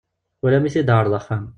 Ula mi i t-id-teɛreḍ axxam.